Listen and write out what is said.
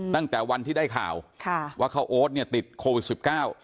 ตั้งแต่วันที่ได้ข่าวค่ะว่าเขาโอ๊ตเนี่ยติดโควิดสิบเก้า